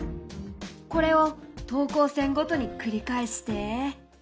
これを等高線ごとに繰り返して。